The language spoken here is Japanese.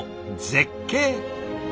絶景！